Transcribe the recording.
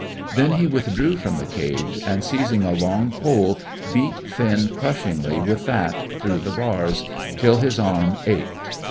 Then he withdrew from the cage, and seizing a long pole beat Finn crushingly with that, through the bars, till his arms ached.